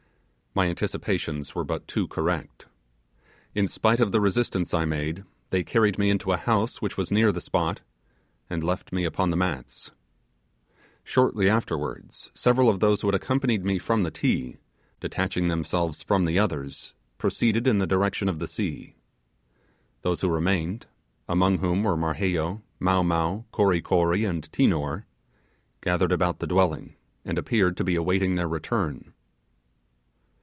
My anticipations were but too correct. In spite of the resistance I made, they carried me into a house which was near the spot, and left me upon the mats. Shortly afterwards several of those who had accompanied me from the Ti, detaching themselves from the others, proceeded in the direction of the sea. Those who remained among whom were Marheyo, Mow Mow, Kory Kory, and Tinor gathered about the dwelling, and appeared to be awaiting their return.